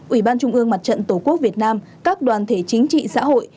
ủy ban trung ương mặt trận tổ quốc việt nam các đoàn thể chính trị xã hội